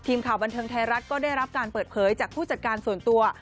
ทีมข่าวบันเทิงไทยรัฐก็ได้รับการเปิดเผยจากผู้จัดการส่วนตัว